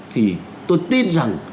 thì tôi tin rằng